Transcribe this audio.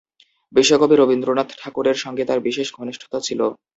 বিশ্বকবি রবীন্দ্রনাথ ঠাকুরের সঙ্গে তার বিশেষ ঘনিষ্ঠতা ছিল।